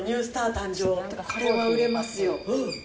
うん、これは売れますよ。